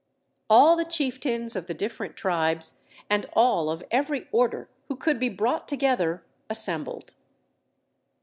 All the chieftains of the different tribes, and all of every order who could be brought together, assembled.